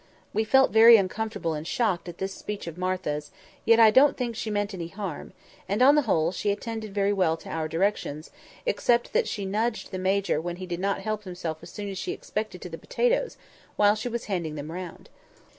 We felt very uncomfortable and shocked at this speech of Martha's, yet I don't think she meant any harm; and, on the whole, she attended very well to our directions, except that she "nudged" the Major when he did not help himself as soon as she expected to the potatoes, while she was handing them round.